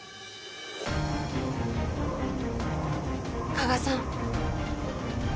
加賀さん